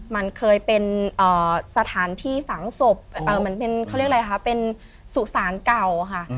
มันเคยเป็นสถานที่ฝังศพเหมือนเป็นเขาเรียกอะไรคะเป็นสุสานเก่าค่ะ